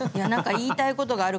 言いたいことがある？